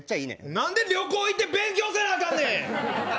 なんで旅行行って勉強せなあかんねん。